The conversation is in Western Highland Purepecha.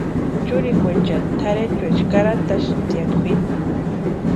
Churikwaechani tʼarhechuecha karhantasïnti ya kwʼini.